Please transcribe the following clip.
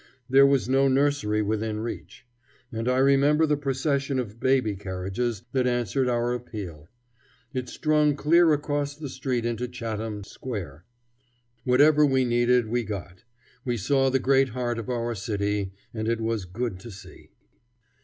There was no nursery within reach. And I remember the procession of baby carriages that answered our appeal. It strung clear across the street into Chatham Square. Whatever we needed we got. We saw the great heart of our city, and it was good to see.